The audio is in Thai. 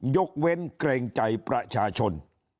ยกเว้นเกรงใจประชาชน